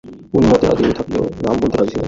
উনি মরতে রাজি থাকলেও নাম বলতে রাজি ছিলেন না।